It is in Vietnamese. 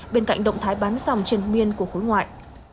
bên cạnh động thái bán sòng trên miên của khối ngoại